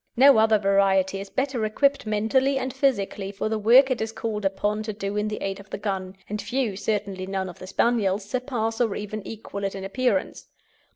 No other variety is better equipped mentally and physically for the work it is called upon to do in aid of the gun; and few, certainly none of the Spaniels, surpass or even equal it in appearance.